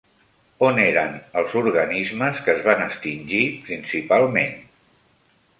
On eren els organismes que es van extingir principalment?